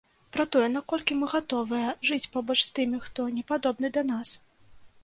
Пра тое, наколькі мы гатовыя жыць побач з тымі, хто не падобны да нас.